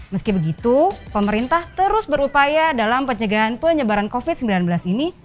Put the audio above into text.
meski begitu pemerintah terus berupaya dalam pencegahan penyebaran covid sembilan belas ini